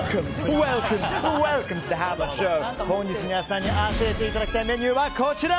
本日皆さんに当てていただきたいメニューはこちら！